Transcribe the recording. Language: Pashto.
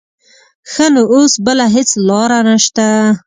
ښه نو اوس بله هېڅ لاره نه شته.